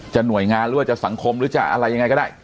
หน่วยงานหรือว่าจะสังคมหรือจะอะไรยังไงก็ได้